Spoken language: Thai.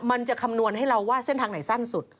มันจะคำนวณให้เราว่าเส้นทางไหนสั้นสุด